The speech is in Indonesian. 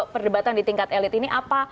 perdebatan di tingkat elit ini apa